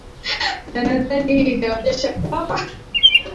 na nadhani hii inaonyesha kwamba